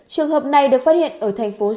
trường hợp này được phát hiện ở thành phố sy